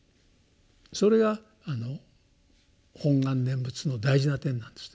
それが本願念仏の大事な点なんです。